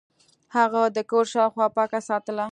هغه د کور شاوخوا پاکه ساتله.